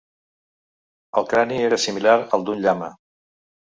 El crani era similar al d'un llama.